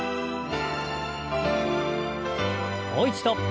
もう一度。